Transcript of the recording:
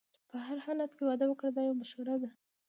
په هر حالت کې واده وکړه دا یو مشوره ده.